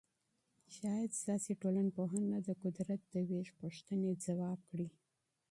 شاید سیاسي ټولنپوهنه د قدرت د وېش پوښتنې ځواب کړي.